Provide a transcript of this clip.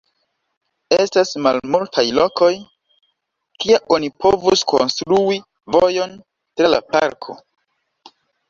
Estas malmultaj lokoj, kie oni povus konstrui vojon tra la parko.